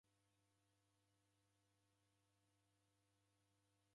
Ghoko w'uda ghwa ndoe aghadi yaw'o.